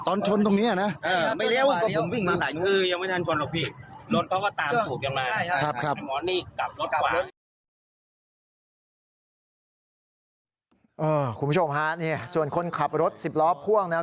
ตอนชนตรงนี้อ่ะนะไม่เลี้ยวคุณผู้ชมค่ะส่วนคนขับรถ๑๐ล้อพ่วงนะ